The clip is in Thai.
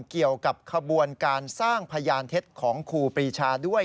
เกี่ยวกับขบวนการสร้างพยานเท็จของครูปรีชาด้วย